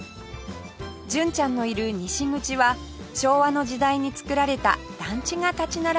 純ちゃんのいる西口は昭和の時代に造られた団地が立ち並ぶエリア